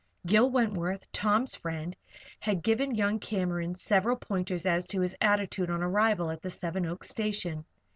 Gil Wentworth, Tom's friend, had given young Cameron several pointers as to his attitude on arrival at the Seven Oaks station.